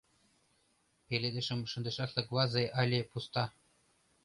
Пеледышым шындышашлык вазе але пуста.